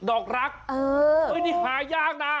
ดอกรักนี่หายากนะ